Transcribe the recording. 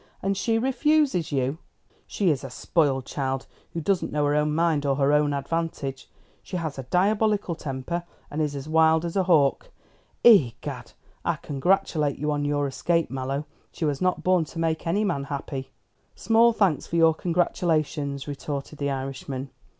And she refuses you. She is a spoiled child, who doesn't know her own mind or her own advantage. She has a diabolical temper, and is as wild as a hawk. Egad, I congratulate you on your escape, Mallow. She was not born to make any man happy." "Small thanks for your congratulations," retorted the Irishman.